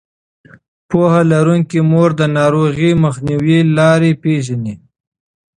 پوهه لرونکې مور د ناروغۍ مخنیوي لارې پېژني.